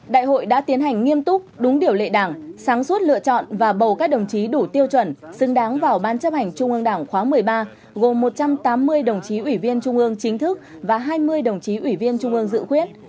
đại hội đã tiến hành nghiêm túc đúng điều lệ đảng sáng suốt lựa chọn và bầu các đồng chí đủ tiêu chuẩn xứng đáng vào ban chấp hành trung ương đảng khóa một mươi ba gồm một trăm tám mươi đồng chí ủy viên trung ương chính thức và hai mươi đồng chí ủy viên trung ương dự quyết